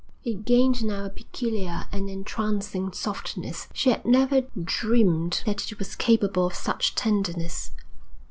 It gained now a peculiar and entrancing softness. She had never dreamed that it was capable of such tenderness.